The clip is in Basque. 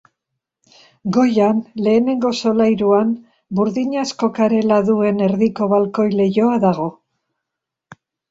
Goian, lehenengo solairuan, burdinazko karela duen erdiko balkoi-leihoa dago.